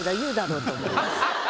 だろうと思います。